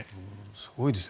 すごいですね。